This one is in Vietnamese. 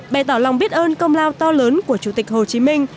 bày tỏ lòng biết ơn công lao to lớn của chủ tịch hồ chí minh